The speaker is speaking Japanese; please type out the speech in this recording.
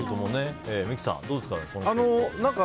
三木さん、どうですか。